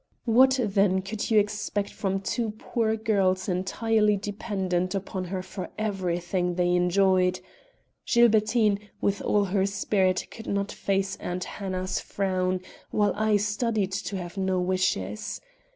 What, then, could you expect from two poor girls entirely dependent upon her for everything they enjoyed? Gilbertine, with all her spirit, could not face Aunt Hannah's frown, while I studied to have no wishes.